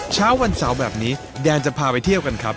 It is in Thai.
เช้าวันเสาร์แบบนี้แดนจะพาไปเที่ยวกันครับ